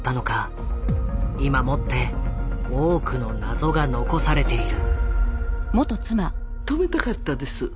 今もって多くの謎が残されている。